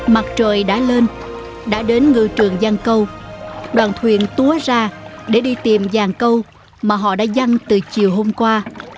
mặt trời đã lên đã đến ngự trường giang câu đoàn thuyền túa ra để đi tìm giang câu mà họ đã dăng từ chiều hôm qua